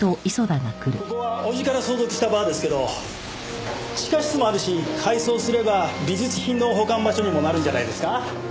ここは伯父から相続したバーですけど地下室もあるし改装すれば美術品の保管場所にもなるんじゃないですか？